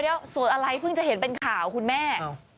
เดี๋ยวสวยอะไรเพิ่งจะเห็นเป็นข่าวคุณแม่